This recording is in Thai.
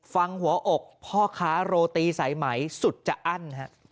หัวอกพ่อค้าโรตีสายไหมสุดจะอั้น